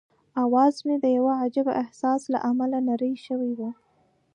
اواز مې د یوه عجيبه احساس له امله نری شوی وو.